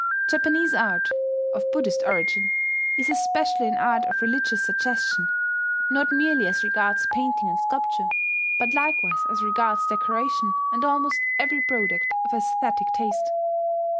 Japanese art, of Buddhist origin, is especially an art of religious suggestion, not merely as regards painting and sculpture, but likewise as regards decoration, and almost every product of aesthetic taste.